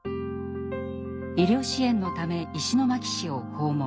医療支援のため石巻市を訪問。